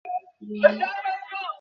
আমিও সেটা আশা করি।